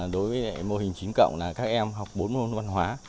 đối với mô hình chín cộng là các em học bốn môn văn hóa